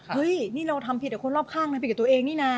เฮ้ยนี่เราทำผิดคนรอบข้างทำผิดตัวเองนี่นะ